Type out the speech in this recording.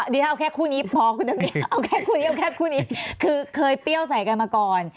เดี๋ยวเอาแค่คู่นี้พอเอาแค่คู่นี้คือเคยเปรี้ยวใส่กันมาก่อน